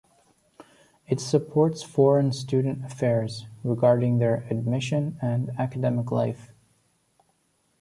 It supports foreign student affairs, regarding their admission and academic life.